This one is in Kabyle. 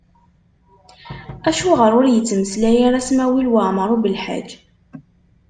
Acuɣeṛ ur ittmeslay ara Smawil Waɛmaṛ U Belḥaǧ?